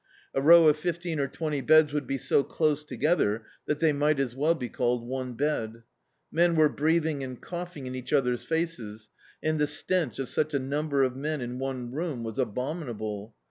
A row of fifteen or twenty beds would be so close to gether that they might as well be called one bed. Men were breathing and cou^ing in each other's faces and the stench of such a number of men in one room was abominable.